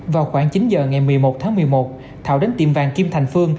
vào khoảng chín giờ ngày một mươi một tháng một mươi một thảo đến tiệm vàng kim thành phương